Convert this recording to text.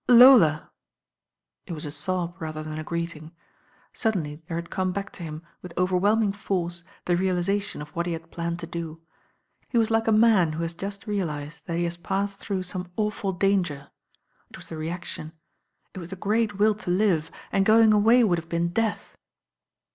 "Lola!" It was a sob rather than a greeting. Suddenly there had come back to him with over whwhning force the realisation of what he had planned to do. He was like a man who has just realised that he has passed through some awful danger. It was the reaction. It was the great jtU to live, and going away would have been death.